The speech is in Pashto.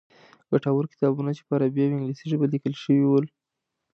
ګټور کتابونه چې په عربي او انګلیسي ژبې لیکل شوي ول.